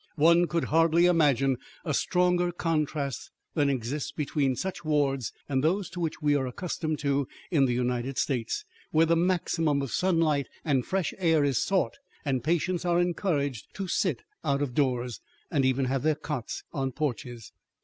One could hardly imagine a stronger contrast than exists between such wards and those to which we are accustomed in the United States, where the maximum of sunlight and fresh air is sought and patients are encouraged to sit out of doors, and even have their cots on porches.